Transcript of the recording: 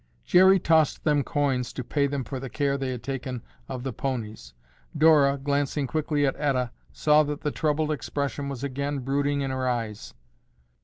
Jerry tossed them coins to pay them for the care they had taken of the ponies. Dora, glancing quickly at Etta, saw that the troubled expression was again brooding in her eyes.